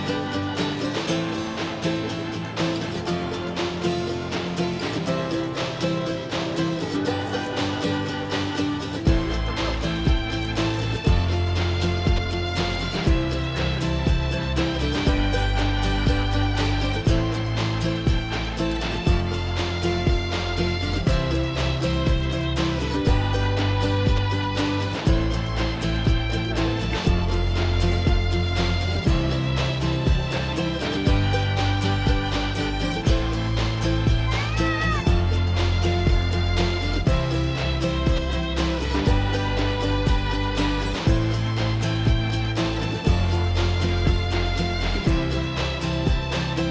agar pembangunannya segera dimulai